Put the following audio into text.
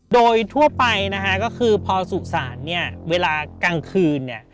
โดยทั่วไปก็คือพอสุสานเวลากลางคืน